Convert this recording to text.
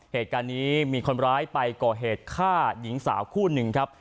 เหตุการณ์นี้มีคนร้ายไปก่อเหตุฆ่าหญิงสาวคู่หนึ่งครับ